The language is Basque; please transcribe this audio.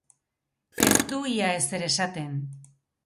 Ez du ia ezer esaten.